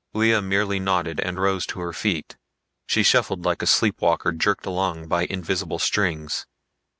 Lea merely nodded and rose to her feet. She shuffled like a sleepwalker jerked along by invisible strings.